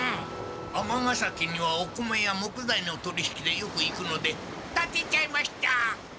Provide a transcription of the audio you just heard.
尼崎にはお米や木材の取り引きでよく行くのでたてちゃいました！